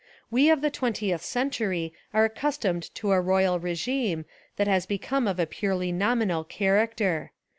We of the twen tieth century are accustomed to a royal regime that has become of a purely nominal character.